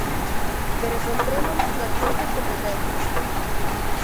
Pero centrémonos nas nosas competencias.